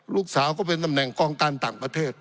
ก็เป็นตำแหน่งกองการต่างประเทศ